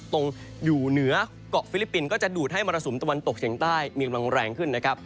อยู่เหนือเกาะฟิลิปปินส์ก็จะดูดให้มรสุมตะวันตกเฉียงใต้มีกำลังแรงขึ้นนะครับ